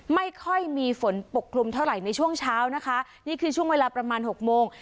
ไม่ค่อยมีฝนปกคลุมเท่าไหร่ในช่วงเช้านะคะนี่คือช่วงเวลาประมาณหกโมง